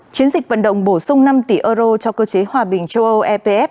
chiến dịch vận động bổ sung năm tỷ euro cho cơ chế hòa bình châu âu epf